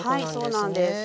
はいそうなんです。